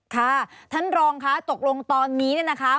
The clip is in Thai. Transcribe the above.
ค่ะท่านรองค่ะตกลงตอนนี้เนี่ยนะคะ